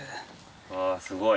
あすごい。